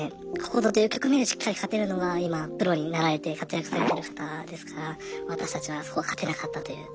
ここぞという局面でしっかり勝てるのが今プロになられて活躍されてる方ですから私たちはそこを勝てなかったという。